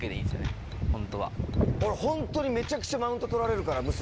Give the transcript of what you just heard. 俺ホントにめちゃくちゃマウント取られるから娘。